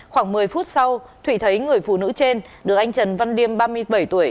khoảng một mươi phút sau thụy thấy người phụ nữ trên được anh trần văn liêm ba mươi bảy tuổi